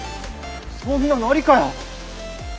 そんなのありかよ！